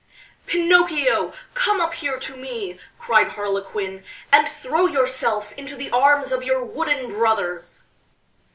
"Pinocchio, come up here to me," cried Harlequin, "and throw yourself into the arms of your wooden brothers!"